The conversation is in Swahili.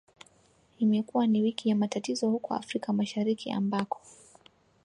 Imekuwa ni wiki ya matatizo huko Afrika Mashariki ambako